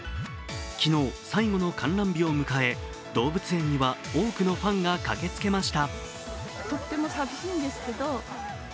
昨日、最後の観覧日を迎え動物園には多くのファンが駆けつけました。